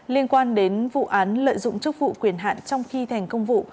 liên quan đến vụ án lợi dụng chức vụ quyền hạn trong khi thành công vụ